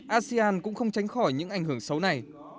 asean cũng không tránh khỏi những ảnh hưởng xấu này